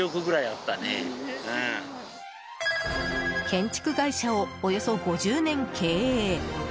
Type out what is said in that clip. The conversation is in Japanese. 建築会社をおよそ５０年経営。